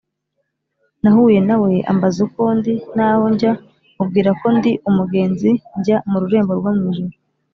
Nahuye nawe ambaza uko ndi n’aho njya Mubwira ko ndi umugenzi, njya mu rurembo rwo mu ijuru